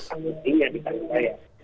akuntinya di tangan saya